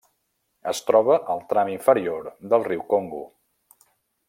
Es troba al tram inferior del riu Congo.